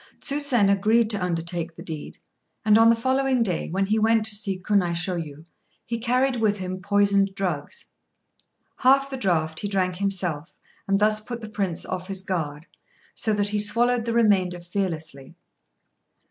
Tsusen agreed to undertake the deed; and on the following day, when he went to see Kunaishôyu, he carried with him poisoned drugs. Half the draught he drank himself, and thus put the Prince off his guard, so that he swallowed the remainder fearlessly.